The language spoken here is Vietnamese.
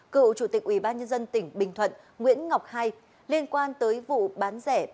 cựu chủ tịch ubnd tỉnh bình thuận nguyễn ngọc hai liên quan tới vụ bán rẻ